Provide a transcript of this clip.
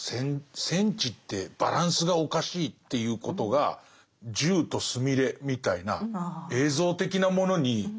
戦地ってバランスがおかしいっていうことが銃とスミレみたいな映像的なものに。